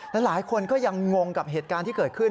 หลายคนก็ยังงงกับเหตุการณ์ที่เกิดขึ้น